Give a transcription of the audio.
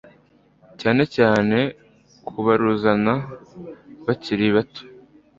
cyane cyane ku baruzana bakiri bato